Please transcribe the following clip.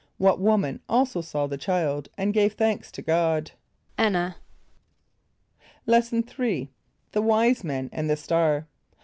= What woman also saw the child and gave thanks to God? =[)A]n´n[.a].= Lesson III. The Wise Men and the Star.